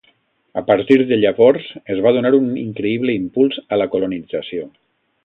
A partir de llavors es va donar un increïble impuls a la colonització.